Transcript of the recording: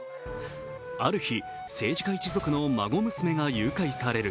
ある日、政治家一族の孫娘が誘拐される。